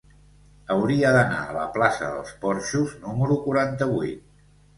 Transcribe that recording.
Hauria d'anar a la plaça dels Porxos número quaranta-vuit.